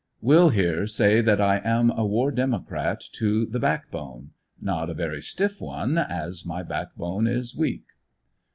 Will here say that I am a War Democrat to the backbone. Not a very stiff one, as my backbone is weak.